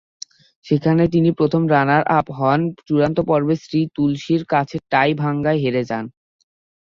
সেখানে তিনি প্রথম রানার আপ হন, চূড়ান্ত পর্বে শ্রী তুলসীর কাছে টাই ভাঙায় হেরে যান।